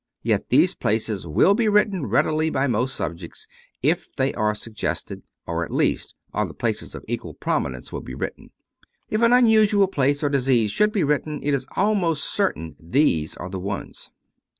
Yet these places will be written readily by most subjects if they are suggested, or at least other 358 David P. Abbott places of equal prominence will be written. If an unusual place or disease should be written, it is almost certain these are the ones.